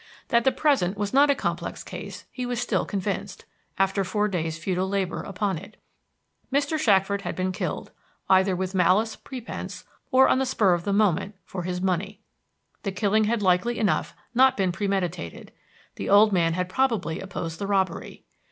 That the present was not a complex case he was still convinced, after four days' futile labor upon it. Mr. Shackford had been killed either with malice prepense or on the spur of the moment for his money. The killing had likely enough not been premeditated; the old man had probably opposed the robbery.